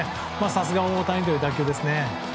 さすが大谷という打球ですね。